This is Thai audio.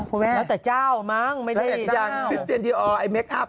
ก็เอาคุณแม่พริสเตียนดีออลไอ้เมกอัพ